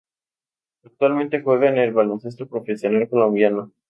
Actualmente juega en el Baloncesto Profesional Colombiano.